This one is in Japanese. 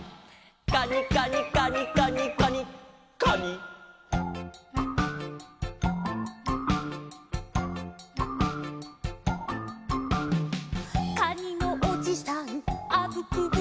「カニカニカニカニカニカニ」「かにのおじさんあぶくブクブク」